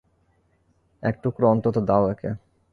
এক টুকরো অন্তত দাও একে।